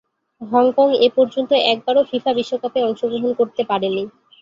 Hong Kong এপর্যন্ত একবারও FIFA বিশ্বকাপে অংশগ্রহণ করতে পারেনি।